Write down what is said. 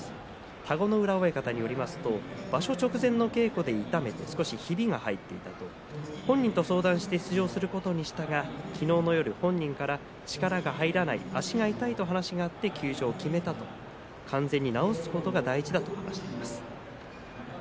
田子ノ浦親方によりますと場所直前の稽古で痛めて少しひびが入っていた本人と相談して出場することにしたが昨日の夜、本人から力が入らない足が痛いと話があって休場を決めたと完全に治すことが大事だと話しています。